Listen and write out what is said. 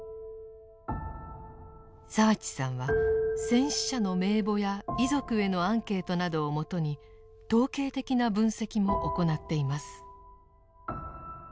澤地さんは戦死者の名簿や遺族へのアンケートなどをもとに統計的な分析も行っています。